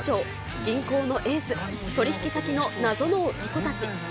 銀行のエース、取り引き先の謎の男たち。